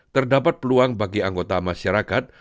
terdapat peluang bagi anggota masyarakat